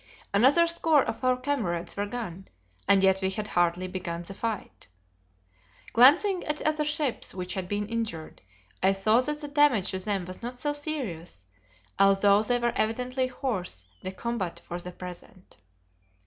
Another score of our comrades were gone, and yet we had hardly begun the fight. Glancing at the other ships, which had been injured, I saw that the damage to them was not so serious, although they were evidently hors de combat for the present.